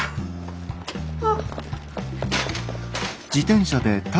あっ。